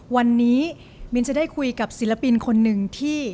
วันนี้มินจะได้คุยกับศิลปินคนหนึ่งที่